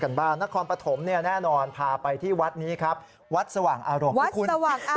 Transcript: นครปฐมเเหล้านอนพาไปที่วัดสว่างอารมณ์